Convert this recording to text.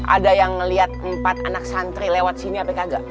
ada yang ngeliat tempat anak santri lewat sini apa kagak